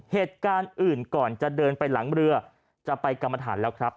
เหตุการณ์อื่นก่อนจะเดินไปหลังเรือจะไปกรรมฐานแล้วครับ